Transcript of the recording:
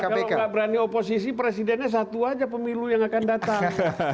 kalau nggak berani oposisi presidennya satu aja pemilu yang akan datang